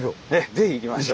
ぜひ行きましょう。